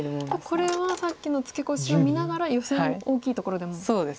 これはさっきのツケコシを見ながらヨセの大きいところでもあると。